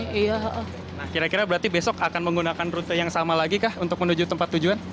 nah kira kira berarti besok akan menggunakan rute yang sama lagi kah untuk menuju tempat tujuan